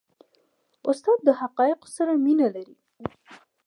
استاد د حقایقو سره مینه لري.